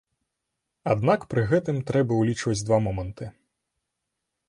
Аднак пры гэтым трэба ўлічваць два моманты.